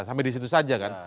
sampai disitu saja kan